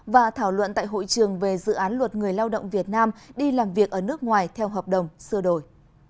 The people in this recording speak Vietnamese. và thảo luận tại hội trường về dự án luật người lao động việt nam đi làm việc ở nước ngoài theo hợp đồng sửa đổi